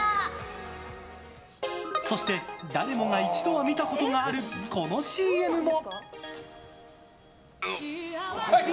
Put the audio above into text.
そして誰もが一度は見たことがあるこのＣＭも。